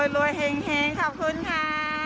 รวยแห่งขอบคุณค่ะ